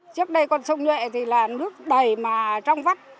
trước đây con sông nhuệ thì là nước đầy mà trong vắt